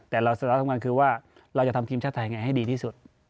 แต่เราสาระสำคัญคือว่าเราจะทำทีมชาติไทยไงให้ดีที่สุด